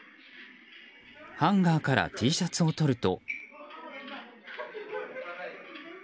ハンガーからＴシャツを取ると。